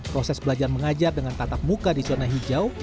proses belajar mengajar dengan tatap muka di zona hijau